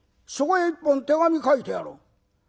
そこへ一本手紙書いてやろう。